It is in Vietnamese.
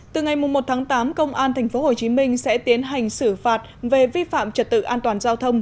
từ ngày một tháng tám công an tp hcm sẽ tiến hành xử phạt về vi phạm trật tự an toàn giao thông